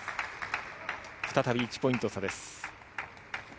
再び１ポイント差です。